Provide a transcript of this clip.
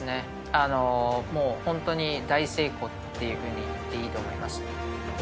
あのもう本当に大成功っていうふうに言っていいと思いました